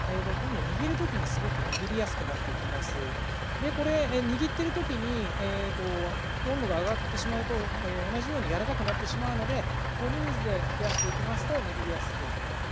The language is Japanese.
でこれ握ってる時に温度が上がってしまうと同じようにやわらかくなってしまうので氷水で冷やしていきますと握りやすくなっています。